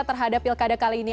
terhadap pilkada kali ini